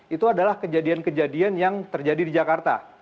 itu adalah kejadian kejadian yang terjadi di jakarta